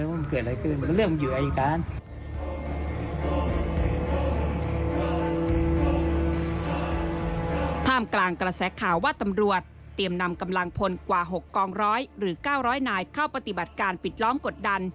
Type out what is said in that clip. มกลางกระแสข่าวว่าตำรวจเตรียมนำกำลังพลกว่า๖กองร้อยหรือ๙๐๐นายเข้าปฏิบัติการปิดล้อมกดดัน